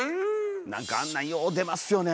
なんかあんなんよう出ますよね